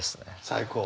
最高？